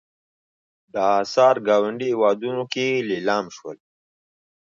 دا اثار ګاونډیو هېوادونو کې لیلام شول.